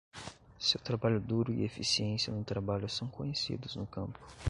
Seu trabalho duro e eficiência no trabalho são conhecidos no campo.